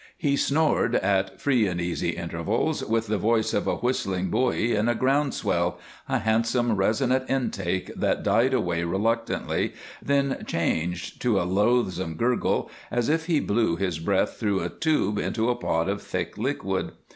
He snored at free and easy intervals with the voice of a whistling buoy in a ground swell a handsome, resonant intake that died away reluctantly, then changed to a loathsome gurgle, as if he blew his breath through a tube into a pot of thick liquid.